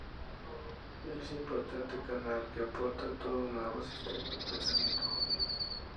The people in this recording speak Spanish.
Él es un importante canal que aporta todo un nuevo sistema de pensamiento judío.